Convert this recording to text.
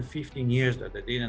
konflik internal juga melanda israel